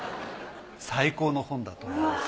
最高の本だと思います。